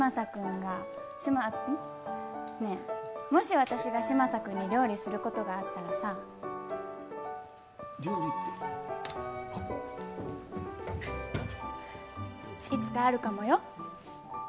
ねぇ、もし、私が嶋佐君に料理することがあったらさ料理っていつかあるかもよ。